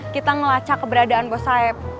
kita ngelacak keberadaan bos saib